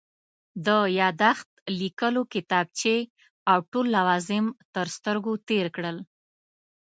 د یادښت لیکلو کتابچې او ټول لوازم تر سترګو تېر کړل.